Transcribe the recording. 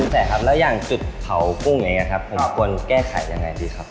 แล้วยังจุดเผากุ้งเองนะครับควรแก้ไขยังไงดีครับ